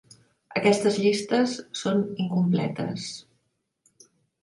Aquestes llistes són incompletes.